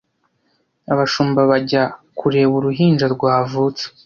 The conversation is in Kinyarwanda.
abashumba bajya kureba uruhinja rwavutse